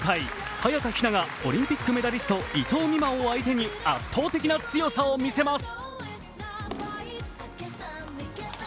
早田ひながオリンピックメダリスト・伊藤美誠を相手に圧倒的な強さを見せます。